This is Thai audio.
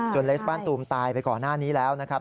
เลสบ้านตูมตายไปก่อนหน้านี้แล้วนะครับ